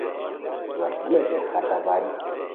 وشلیوت خلتھابا ری